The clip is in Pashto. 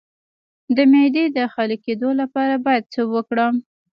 د معدې د خالي کیدو لپاره باید څه وکړم؟